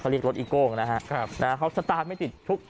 เขาเรียกรถอีโก้งนะครับแต่เขาสตาร์ฟไม่ติดทุก